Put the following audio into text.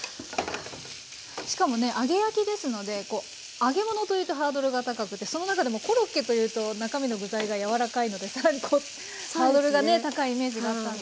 しかもね揚げ焼きですのでこう揚げ物というとハードルが高くてその中でもコロッケというと中身の具材が柔らかいのでさらにこうハードルがね高いイメージがあったんですけど。